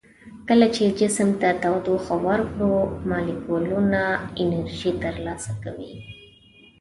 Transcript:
کله چې جسم ته تودوخه ورکړو مالیکولونه انرژي تر لاسه کوي.